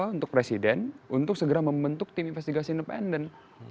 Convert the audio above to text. untuk presiden untuk segera membentuk tim investigasi independen